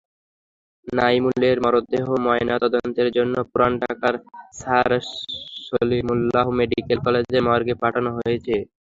নাইমুলের মরদেহ ময়নাতদন্তের জন্য পুরান ঢাকার স্যার সলিমুল্লাহ মেডিকেল কলেজের মর্গে পাঠানো হয়েছে।